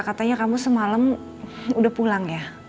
katanya kamu semalam udah pulang ya